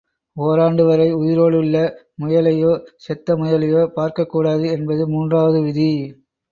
ஓராண்டுவரை உயிரோடுள்ள முயலையோ செத்த முயலையோ பார்க்கக் கூடாது என்பது மூன்றாவது விதி.